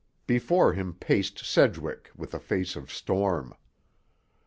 Before him paced Sedgwick, with a face of storm.